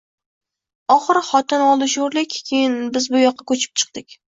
Oxiri xotin oldi shoʼrlik. Keyin biz bu yoqqa koʼchib chikdik.